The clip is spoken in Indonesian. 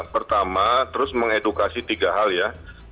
pertama terus mengedukasi tiga hal ya